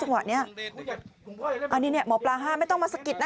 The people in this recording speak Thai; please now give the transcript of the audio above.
คุณพ่อเดี๋ยวคุณภายก็ยังไม่ต้องอันนี้เจ้าอาวาสไม่ต้องมาสะกิดนะ